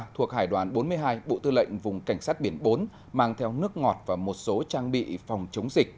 thuộc hải đoàn bốn mươi hai bộ tư lệnh vùng cảnh sát biển bốn mang theo nước ngọt và một số trang bị phòng chống dịch